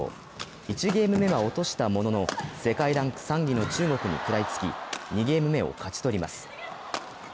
１ゲーム目は落としたものの世界ランク３位の中国に食らいつき２ゲーム目を勝ち取ります。